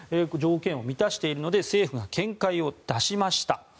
条件を満たしているので政府が見解を出しました。